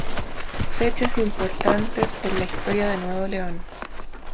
Fechas importantes en la historia de Nuevo León